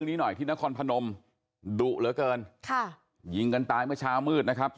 นี้หน่อยที่นครพนมดุเหลือเกินค่ะยิงกันตายเมื่อเช้ามืดนะครับ